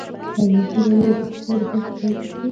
ازادي راډیو د کلتور په اړه د خلکو پوهاوی زیات کړی.